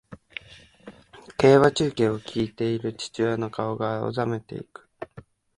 競馬中継を聞いている父親の顔が青ざめていく